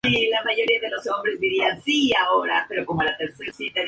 En Roma y ocasionalmente fueron tropas de baja calidad.